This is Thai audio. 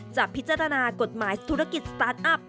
จะพิจารณากฎหมายธุรกิจสตาร์ทอัพ